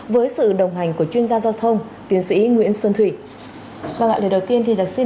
với sự đồng hành của chuyên gia giao thông tiến sĩ nguyễn xuân thủy